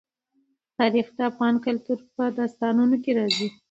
تاریخ د افغان کلتور په داستانونو کې راځي.